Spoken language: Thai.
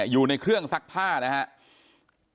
อยู่ในเครื่องซักผ้านะครับ